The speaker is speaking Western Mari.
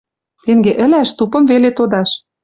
Тенге ӹлӓш — тупым веле тодаш.